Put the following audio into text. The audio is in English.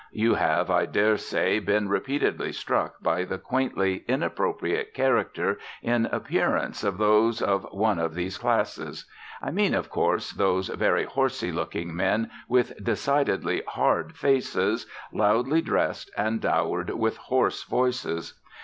You have, I dare say, been repeatedly struck by the quaintly inappropriate character in appearance of those of one of these classes. I mean, of course, those very horsey looking men, with decidedly "hard" faces, loudly dressed, and dowered with hoarse voices.